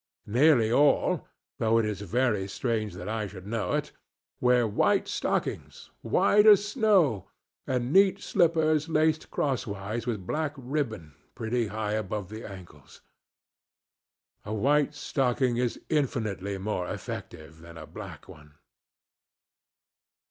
Nearly all—though it is very strange that I should know it—wear white stockings, white as snow, and neat slippers laced crosswise with black ribbon pretty high above the ankles. A white stocking is infinitely more effective than a black one.